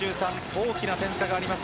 大きな点差があります